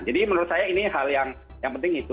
jadi menurut saya ini hal yang penting itu